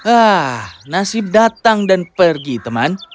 ah nasib datang dan pergi teman